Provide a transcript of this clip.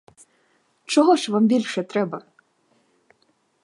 Чого ж вам більше треба?